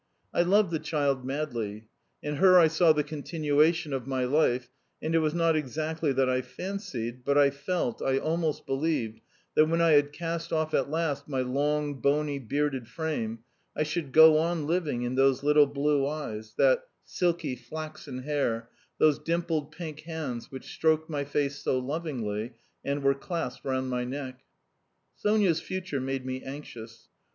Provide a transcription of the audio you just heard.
I loved the child madly. In her I saw the continuation of my life, and it was not exactly that I fancied, but I felt, I almost believed, that when I had cast off at last my long, bony, bearded frame, I should go on living in those little blue eyes, that silky flaxen hair, those dimpled pink hands which stroked my face so lovingly and were clasped round my neck. Sonya's future made me anxious.